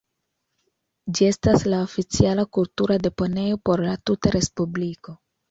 Ĝi estas la oficiala kultura deponejo por la tuta respubliko.